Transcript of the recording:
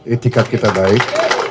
etikat kita baik